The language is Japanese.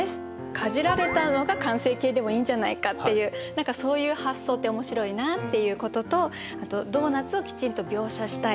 かじられたのが完成形でもいいんじゃないかっていう何かそういう発想って面白いなっていうこととあとドーナツをきちんと描写したい。